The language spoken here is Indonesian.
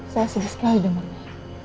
saya sedih sekali dengannya